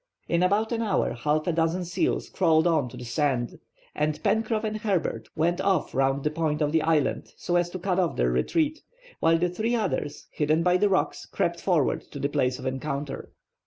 In about an hour half a dozen seals crawled on to the sand, and Pencroff and Herbert went off round the point of the island so as to cut off their retreat, while the three others, hidden by the rocks, crept forward to the place of encounter.